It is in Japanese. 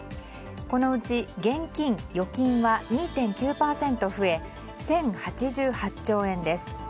このうち現金・預金は２．９％増え１０８８兆円です。